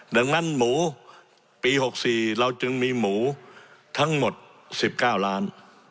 ดังนั้นหมูปี๖๔เราจึงมีหมูทั้งหมด๑๙ล้าน